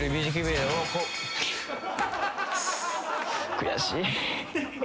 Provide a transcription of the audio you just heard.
悔しい。